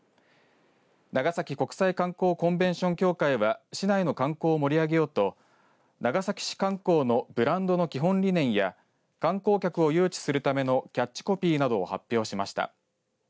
長崎国際環境コンベンション協会は市内の観光を盛り上げようと長崎市観光のブランドの基本理念や観光客を誘致するためのキャッチコピーなどを発表しました。